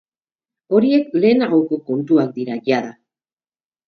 Horiek lehenagoko kontuak dira jada.